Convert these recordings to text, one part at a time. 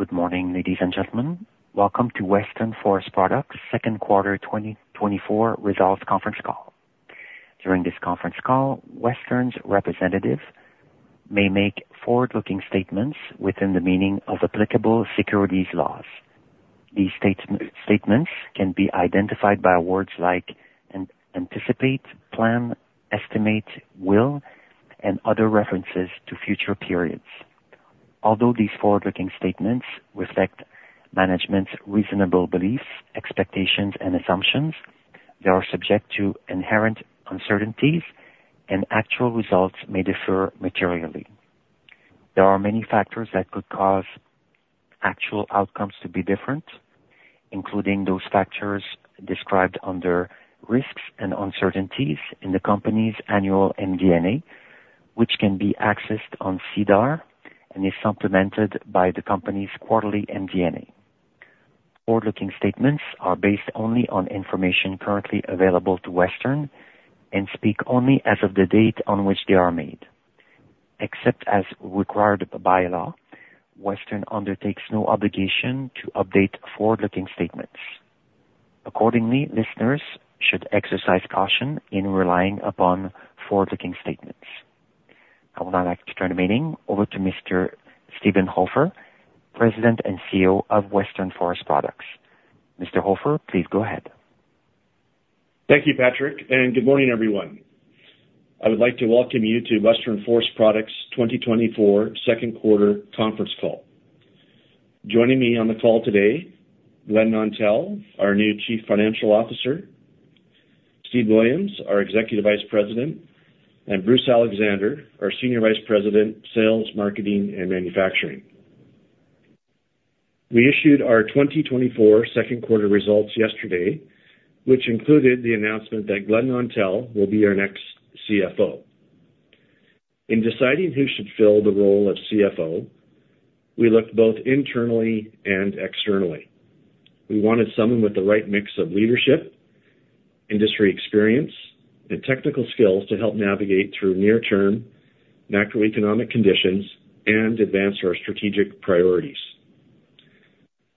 Good morning, ladies and gentlemen. Welcome to Western Forest Products' second quarter 2024 results conference call. During this conference call, Western's representative may make forward-looking statements within the meaning of applicable securities laws. These statements can be identified by words like anticipate, plan, estimate, will, and other references to future periods. Although these forward-looking statements reflect management's reasonable beliefs, expectations, and assumptions, they are subject to inherent uncertainties, and actual results may differ materially. There are many factors that could cause actual outcomes to be different, including those factors described under risks and uncertainties in the company's annual MD&A, which can be accessed on SEDAR and is supplemented by the company's quarterly MD&A. Forward-looking statements are based only on information currently available to Western and speak only as of the date on which they are made. Except as required by law, Western undertakes no obligation to update forward-looking statements. Accordingly, listeners should exercise caution in relying upon forward-looking statements. I would now like to turn the meeting over to Mr. Steven Hofer, President and CEO of Western Forest Products. Mr. Hofer, please go ahead. Thank you, Patrick, and good morning, everyone. I would like to welcome you to Western Forest Products' 2024 second quarter conference call. Joining me on the call today, Glenn Nontell, our new Chief Financial Officer, Steve Williams, our Executive Vice President, and Bruce Alexander, our Senior Vice President, Sales, Marketing, and Manufacturing. We issued our 2024 second quarter results yesterday, which included the announcement that Glenn Nontell will be our next CFO. In deciding who should fill the role of CFO, we looked both internally and externally. We wanted someone with the right mix of leadership, industry experience, and technical skills to help navigate through near-term macroeconomic conditions and advance our strategic priorities.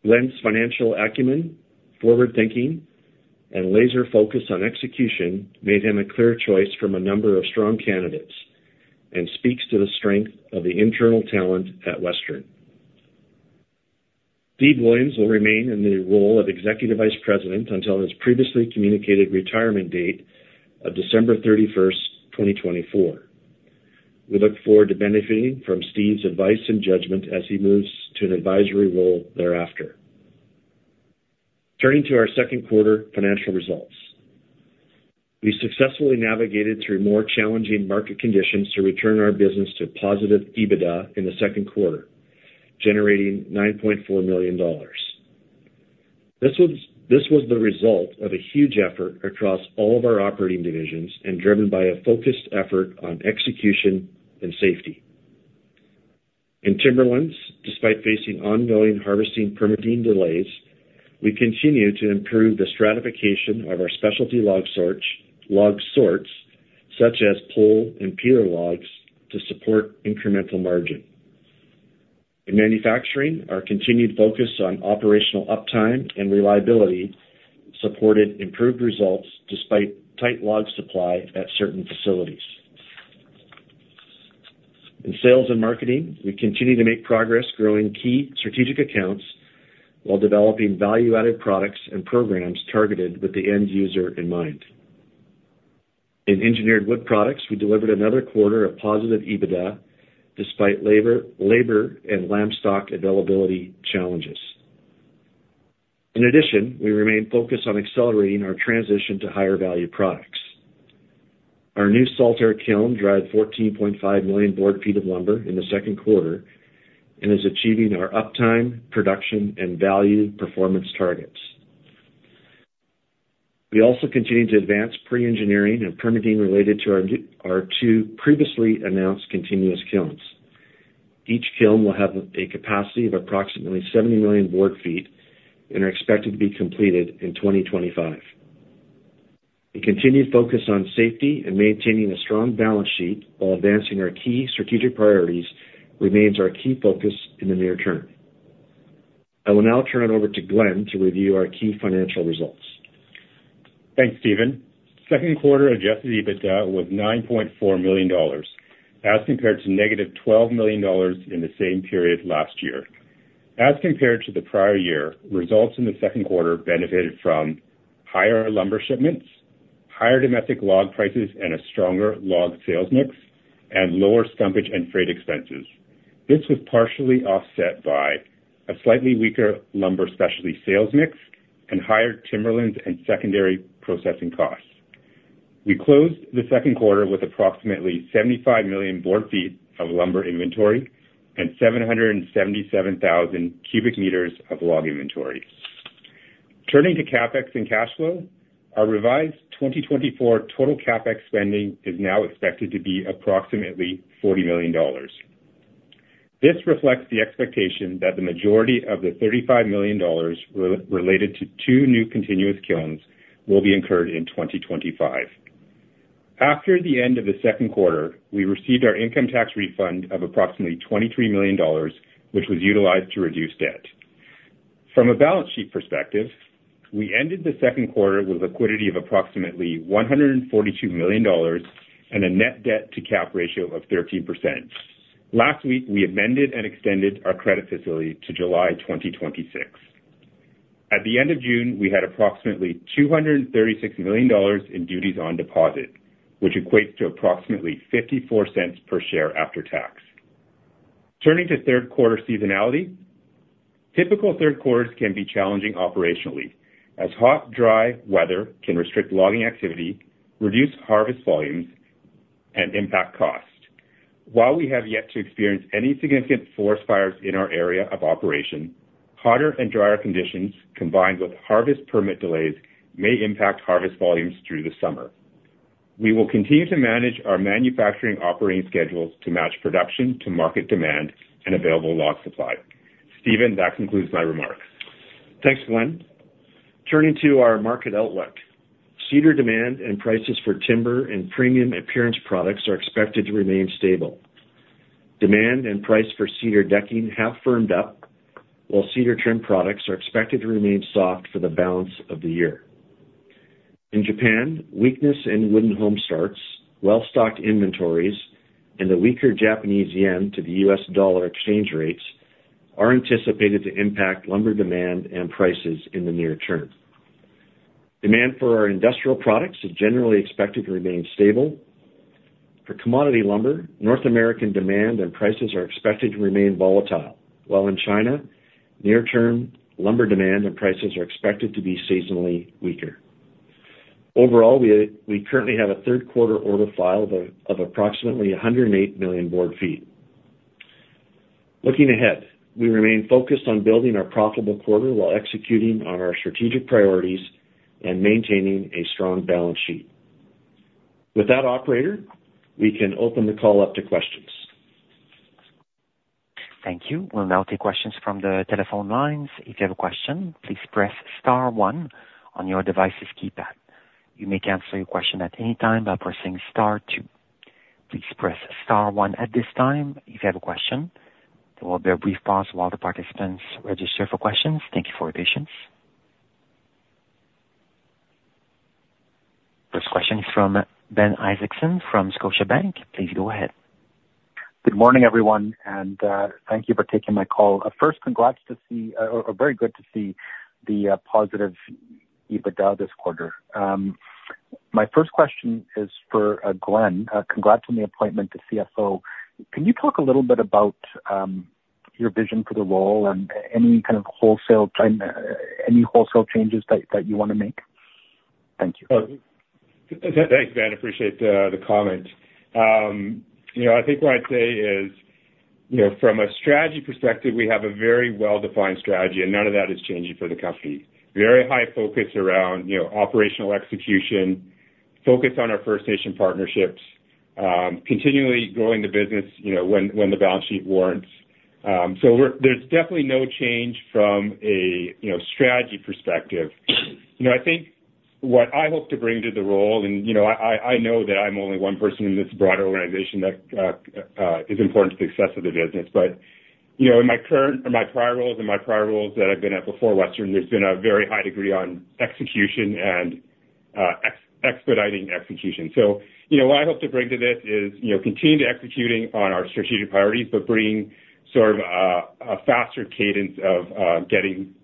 Glenn's financial acumen, forward-thinking, and laser focus on execution made him a clear choice from a number of strong candidates and speaks to the strength of the internal talent at Western. Steve Williams will remain in the role of Executive Vice President until his previously communicated retirement date of December 31, 2024. We look forward to benefiting from Steve's advice and judgment as he moves to an advisory role thereafter. Turning to our second quarter financial results. We successfully navigated through more challenging market conditions to return our business to positive EBITDA in the second quarter, generating 9.4 million dollars. This was the result of a huge effort across all of our operating divisions and driven by a focused effort on execution and safety. In timberlands, despite facing ongoing harvesting permitting delays, we continue to improve the stratification of our specialty log sorts, such as pole and peer logs, to support incremental margin. In manufacturing, our continued focus on operational uptime and reliability supported improved results despite tight log supply at certain facilities. In sales and marketing, we continue to make progress growing key strategic accounts while developing value-added products and programs targeted with the end user in mind. In engineered wood products, we delivered another quarter of positive EBITDA, despite labor and Lamstock availability challenges. In addition, we remain focused on accelerating our transition to higher-value products. Our new Salt Air Kiln dried 14.5 million board feet of lumber in the second quarter and is achieving our uptime, production, and value performance targets. We also continue to advance pre-engineering and permitting related to our two previously announced continuous kilns. Each kiln will have a capacity of approximately 70 million board feet and are expected to be completed in 2025. A continued focus on safety and maintaining a strong balance sheet while advancing our key strategic priorities remains our key focus in the near term. I will now turn it over to Glenn to review our key financial results. Thanks, Steven. Second quarter adjusted EBITDA was 9.4 million dollars, as compared to -12 million dollars in the same period last year. As compared to the prior year, results in the second quarter benefited from higher lumber shipments, higher domestic log prices and a stronger log sales mix, and lower stumpage and freight expenses. This was partially offset by a slightly weaker lumber specialty sales mix and higher timberlands and secondary processing costs. We closed the second quarter with approximately 75 million board feet of lumber inventory and 777,000 cubic meters of log inventory. Turning to CapEx and cash flow, our revised 2024 total CapEx spending is now expected to be approximately 40 million dollars. This reflects the expectation that the majority of the 35 million dollars related to two new continuous kilns will be incurred in 2025. After the end of the second quarter, we received our income tax refund of approximately 23 million dollars, which was utilized to reduce debt. From a balance sheet perspective, we ended the second quarter with liquidity of approximately 142 million dollars and a net debt to cap ratio of 13%. Last week, we amended and extended our credit facility to July 2026. At the end of June, we had approximately 236 million dollars in duties on deposit, which equates to approximately 0.54 per share after tax. Turning to third quarter seasonality, typical third quarters can be challenging operationally, as hot, dry weather can restrict logging activity, reduce harvest volumes, and impact cost. While we have yet to experience any significant forest fires in our area of operation, hotter and drier conditions, combined with harvest permit delays, may impact harvest volumes through the summer. We will continue to manage our manufacturing operating schedules to match production, to market demand and available log supply. Steven, that concludes my remarks. Thanks, Glenn. Turning to our market outlook. Cedar demand and prices for timber and premium appearance products are expected to remain stable. Demand and price for cedar decking have firmed up, while cedar trim products are expected to remain soft for the balance of the year. In Japan, weakness in wooden home starts, well-stocked inventories, and the weaker Japanese yen to the US dollar exchange rates are anticipated to impact lumber demand and prices in the near term. Demand for our industrial products is generally expected to remain stable. For commodity lumber, North American demand and prices are expected to remain volatile, while in China, near-term lumber demand and prices are expected to be seasonally weaker. Overall, we currently have a third quarter order file of approximately 108 million board feet. Looking ahead, we remain focused on building our profitable quarter while executing on our strategic priorities and maintaining a strong balance sheet. With that, operator, we can open the call up to questions. Thank you. We'll now take questions from the telephone lines. If you have a question, please press star one on your device's keypad. You may cancel your question at any time by pressing star two. Please press star one at this time if you have a question. There will be a brief pause while the participants register for questions. Thank you for your patience. First question is from Ben Isaacson from Scotiabank. Please go ahead. Good morning, everyone, and thank you for taking my call. First, congrats to see or very good to see the positive EBITDA this quarter. My first question is for Glenn. Congrats on the appointment to CFO. Can you talk a little bit about your vision for the role and any kind of wholesale time any wholesale changes that you wanna make? Thank you. Thanks, Ben. Appreciate the comment. You know, I think what I'd say is, you know, from a strategy perspective, we have a very well-defined strategy, and none of that is changing for the company. Very high focus around, you know, operational execution, focus on our First Nation partnerships, continually growing the business, you know, when the balance sheet warrants. So we're, there's definitely no change from a strategy perspective. You know, I think what I hope to bring to the role, and, you know, I know that I'm only one person in this broad organization that is important to the success of the business. But, you know, in my current or my prior roles, and my prior roles that I've been at before Western, there's been a very high degree on execution and expediting execution. You know, what I hope to bring to this is, you know, continue to executing on our strategic priorities, but bringing sort of a faster cadence of getting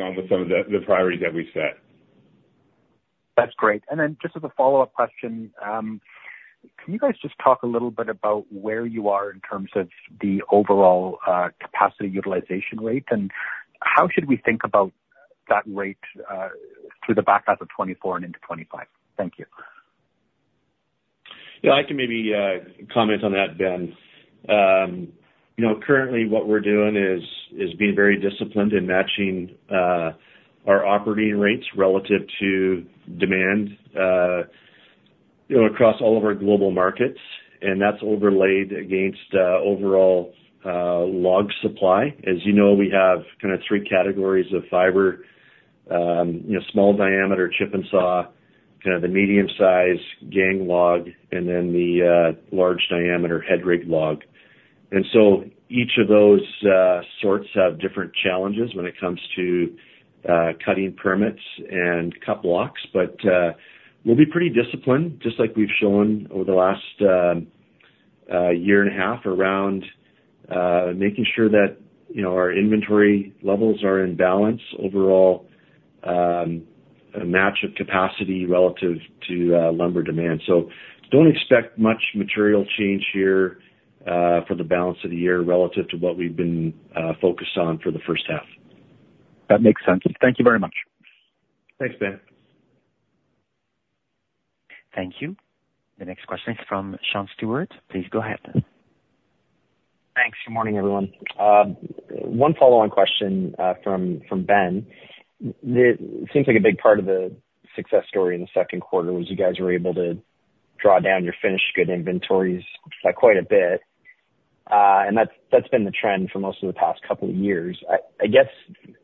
on with some of the priorities that we set. That's great. And then just as a follow-up question, can you guys just talk a little bit about where you are in terms of the overall, capacity utilization rate? And how should we think about that rate, through the back half of 2024 and into 2025? Thank you. Yeah, I can maybe comment on that, Ben. You know, currently, what we're doing is, is being very disciplined in matching our operating rates relative to demand, you know, across all of our global markets, and that's overlaid against overall log supply. As you know, we have kind of three categories of fiber, you know, small diameter chip and saw, kind of the medium-size gang log, and then the large diameter head rig log. And so each of those sorts have different challenges when it comes to cutting permits and cut blocks. But we'll be pretty disciplined, just like we've shown over the last year and a half around making sure that, you know, our inventory levels are in balance overall, a match of capacity relative to lumber demand. So don't expect much material change here, for the balance of the year relative to what we've been, focused on for the first half. That makes sense. Thank you very much. Thanks, Ben. Thank you. The next question is from Sean Stewart. Please go ahead. Thanks. Good morning, everyone. One follow-on question from Ben. It seems like a big part of the success story in the second quarter was you guys were able to draw down your finished good inventories by quite a bit, and that's been the trend for most of the past couple of years. I guess,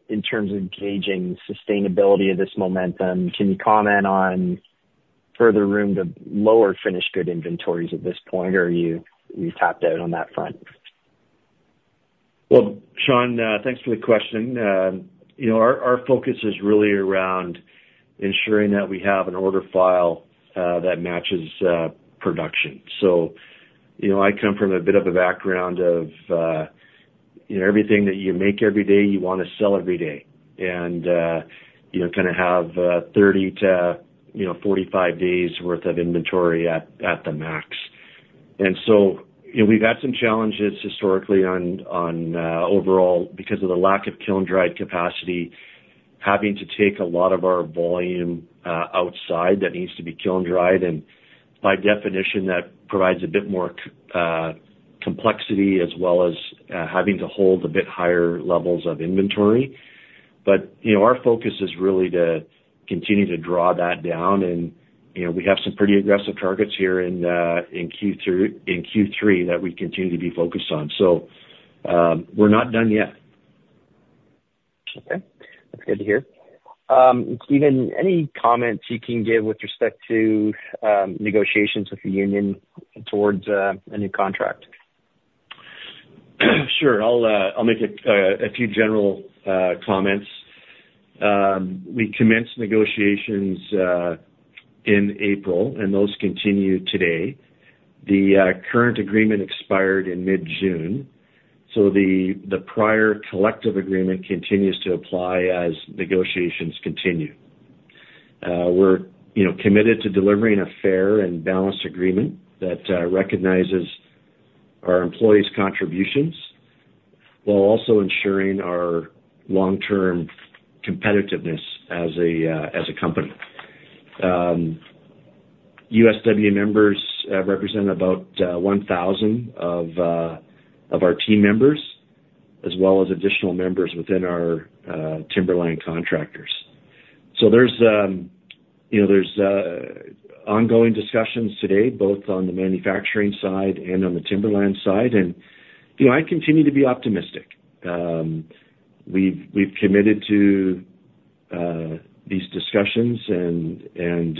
in terms of gauging sustainability of this momentum, can you comment on further room to lower finished good inventories at this point, or are you, you've tapped out on that front? Well, Sean, thanks for the question. You know, our focus is really around ensuring that we have an order file that matches production. So, you know, I come from a bit of a background of, you know, everything that you make every day, you wanna sell every day. And, you know, kind of have 30-45 days worth of inventory at the max. And so, you know, we've had some challenges historically overall because of the lack of kiln-dried capacity, having to take a lot of our volume outside that needs to be kiln-dried, and by definition, that provides a bit more complexity as well as having to hold a bit higher levels of inventory. But, you know, our focus is really to continue to draw that down, and, you know, we have some pretty aggressive targets here in Q3 that we continue to be focused on. So, we're not done yet. Okay. That's good to hear. Steven, any comments you can give with respect to negotiations with the union towards a new contract? Sure. I'll make a few general comments. We commenced negotiations in April, and those continue today. The current agreement expired in mid-June, so the prior collective agreement continues to apply as negotiations continue. We're, you know, committed to delivering a fair and balanced agreement that recognizes our employees' contributions, while also ensuring our long-term competitiveness as a company. USW members represent about 1,000 of our team members, as well as additional members within our timberland contractors. So there's, you know, ongoing discussions today, both on the manufacturing side and on the timberland side, and, you know, I continue to be optimistic. We've committed to these discussions and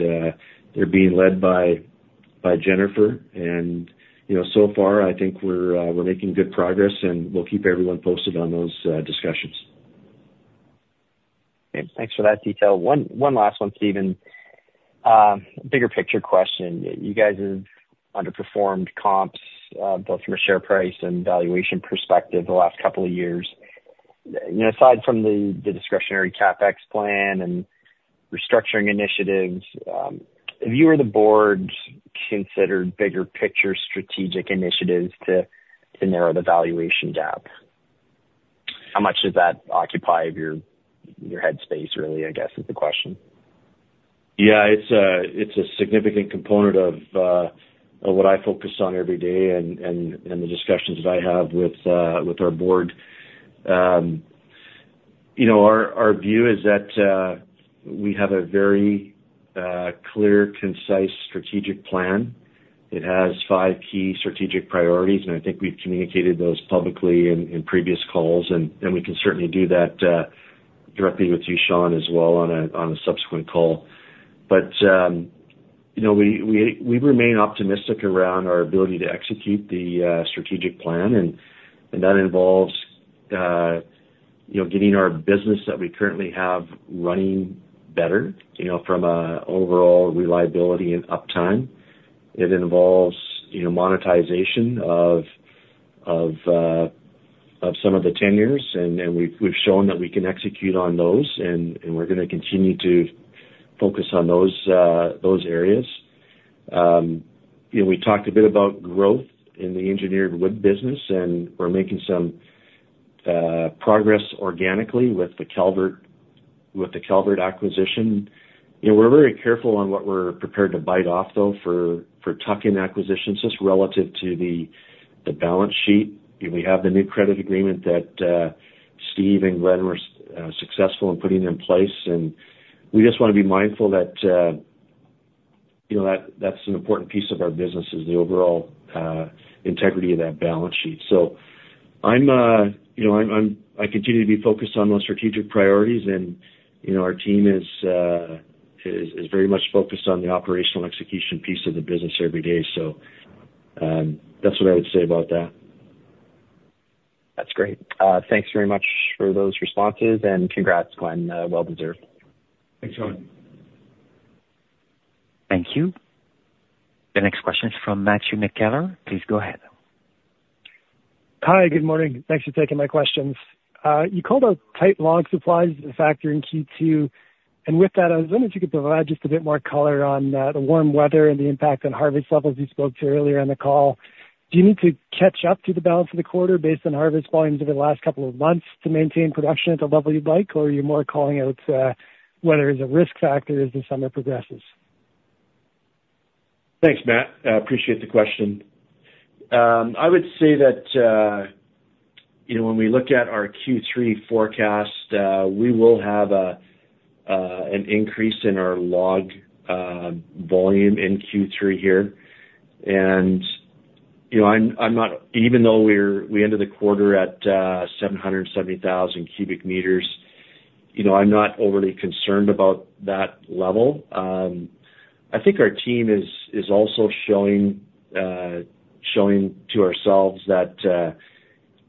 they're being led by Jennifer, and you know, so far I think we're making good progress, and we'll keep everyone posted on those discussions. Okay. Thanks for that detail. One last one, Steven. Bigger picture question. You guys have underperformed comps both from a share price and valuation perspective the last couple of years. You know, aside from the discretionary CapEx plan and restructuring initiatives, have you or the board considered bigger picture strategic initiatives to narrow the valuation gap? How much does that occupy of your head space really, I guess, is the question. Yeah, it's a significant component of what I focus on every day and the discussions that I have with our board. You know, our view is that we have a very clear, concise, strategic plan. It has five key strategic priorities, and I think we've communicated those publicly in previous calls, and we can certainly do that directly with you, Sean, as well on a subsequent call. But, you know, we remain optimistic around our ability to execute the strategic plan, and that involves you know, getting our business that we currently have running better, you know, from a overall reliability and uptime. It involves, you know, monetization of some of the tenures, and we've shown that we can execute on those, and we're gonna continue to focus on those areas. You know, we talked a bit about growth in the engineered wood business, and we're making some progress organically with the Calvert acquisition. You know, we're very careful on what we're prepared to bite off, though, for tuck-in acquisitions, just relative to the balance sheet. You know, we have the new credit agreement that Steve and Glenn were successful in putting in place, and we just wanna be mindful that that's an important piece of our business is the overall integrity of that balance sheet. So I'm, you know, I'm... I continue to be focused on those strategic priorities, and, you know, our team is very much focused on the operational execution piece of the business every day. That's what I would say about that. That's great. Thanks very much for those responses, and congrats, Glenn. Well deserved. Thanks, Sean. Thank you. The next question is from Matthew McKellar. Please go ahead. Hi, good morning. Thanks for taking my questions. You called out tight log supplies as a factor in Q2, and with that, I was wondering if you could provide just a bit more color on, the warm weather and the impact on harvest levels you spoke to earlier in the call. Do you need to catch up to the balance of the quarter based on harvest volumes over the last couple of months to maintain production at the level you'd like? Or are you more calling out, whether it's a risk factor as the summer progresses? Thanks, Matt. I appreciate the question. I would say that... You know, when we look at our Q3 forecast, we will have an increase in our log volume in Q3 here. And, you know, I'm not—even though we ended the quarter at 770,000 cubic meters, you know, I'm not overly concerned about that level. I think our team is also showing to ourselves that, you know,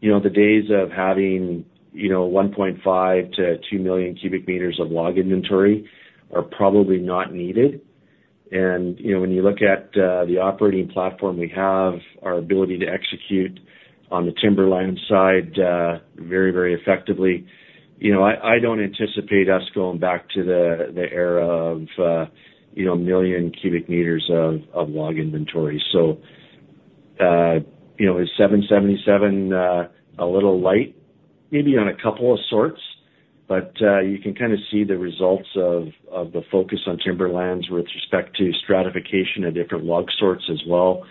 the days of having, you know, 1.5-2 million cubic meters of log inventory are probably not needed. And, you know, when you look at the operating platform, we have our ability to execute on the timberland side very, very effectively. You know, I don't anticipate us going back to the era of, you know, 1 million cubic meters of log inventory. So, you know, is 777 a little light? Maybe on a couple of sorts, but you can kind of see the results of the focus on timberlands with respect to stratification of different log sorts as well.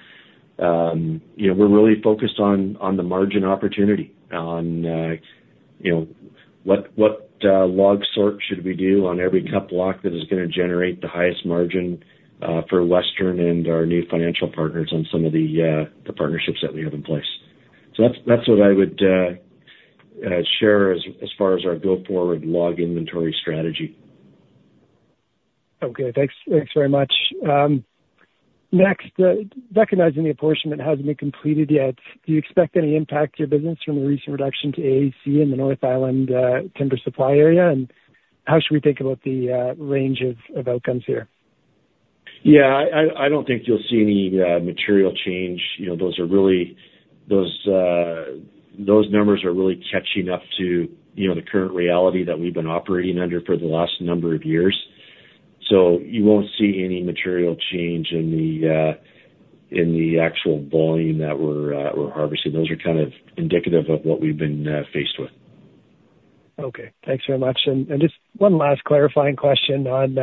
You know, we're really focused on the margin opportunity, on, you know, what log sort should we do on every cut block that is gonna generate the highest margin for Western and our new financial partners on some of the partnerships that we have in place. So that's what I would share as far as our go-forward log inventory strategy. Okay, thanks. Thanks very much. Next, recognizing the apportionment hasn't been completed yet, do you expect any impact to your business from the recent reduction to AAC in the North Island timber supply area? And how should we think about the range of outcomes here? Yeah, I don't think you'll see any material change. You know, those numbers are really catching up to, you know, the current reality that we've been operating under for the last number of years. So you won't see any material change in the actual volume that we're harvesting. Those are kind of indicative of what we've been faced with. Okay. Thanks very much. And just one last clarifying question on,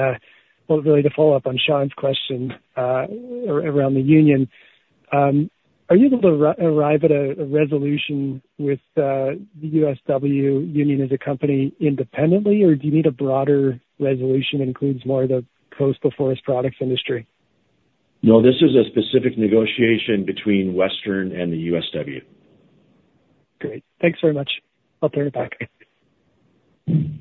well, really to follow up on Sean's question, around the union. Are you able to arrive at a resolution with the USW Union as a company independently, or do you need a broader resolution that includes more of the coastal forest products industry? No, this is a specific negotiation between Western and the USW. Great. Thanks very much. I'll turn it back. Thank you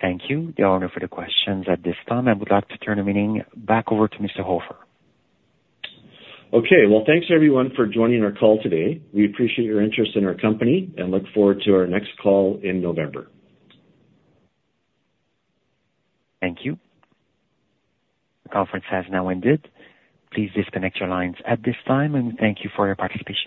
to all for the questions. At this time, I would like to turn the meeting back over to Mr. Hofer. Okay. Well, thanks everyone for joining our call today. We appreciate your interest in our company and look forward to our next call in November. Thank you. The conference has now ended. Please disconnect your lines at this time, and thank you for your participation.